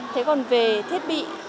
thế còn về thiết bị